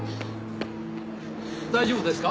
大丈夫ですか？